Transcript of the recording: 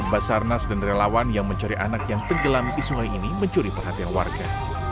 basarnas dan relawan yang mencari anak yang tenggelam di sungai ini mencuri perhatian warga